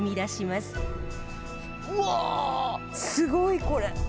すごいこれ。